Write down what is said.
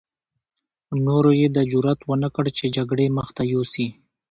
نورو يې دا جرعت ونه کړ چې جګړې مخته يوسي.